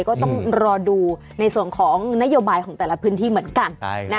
ก็ต้องรอดูในส่วนของนโยบายของแต่ละพื้นที่เหมือนกัน